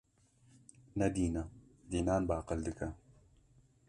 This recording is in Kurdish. Ne dîn e, dînan baqil dike.